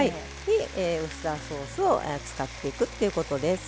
ウスターソースを使っていくということです。